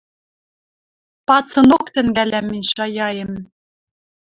Пацынок тӹнгӓлӓм мӹнь шаяэм.